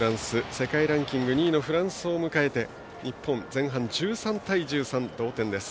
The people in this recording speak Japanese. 世界ランキング２位のフランスを迎えて日本、前半１３対１３の同点です。